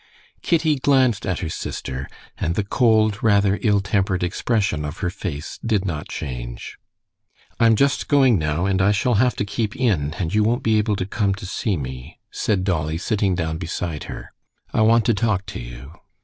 Kitty glanced at her sister, and the cold, rather ill tempered expression of her face did not change. "I'm just going now, and I shall have to keep in and you won't be able to come to see me," said Dolly, sitting down beside her. "I want to talk to you."